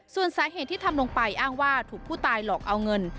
ส่วนสาเหตุที่ทำลงไปอ้างว่าถูกผู้ตายหลอกเอาเงิน